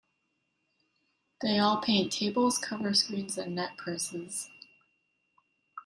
They all paint tables, cover screens, and net purses.